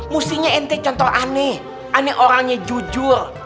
mustinya ente contoh aneh aneh orangnya jujur